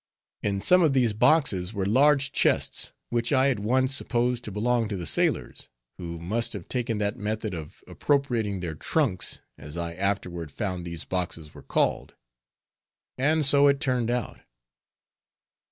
In some of these boxes were large chests, which I at once supposed to belong to the sailors, who must have taken that method of appropriating their "Trunks," as I afterward found these boxes were called. And so it turned out.